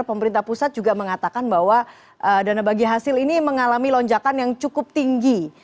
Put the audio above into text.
pemerintah pusat juga mengatakan bahwa dana bagi hasil ini mengalami lonjakan yang cukup tinggi